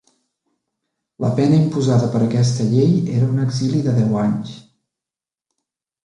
La pena imposada per aquesta llei era un exili de deu anys.